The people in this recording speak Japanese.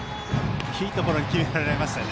いいところに決められましたね。